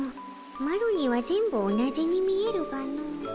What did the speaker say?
マロには全部同じに見えるがの。